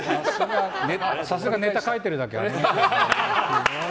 さすがネタ書いてるだけありますね。